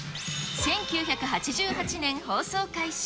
１９８８年放送開始。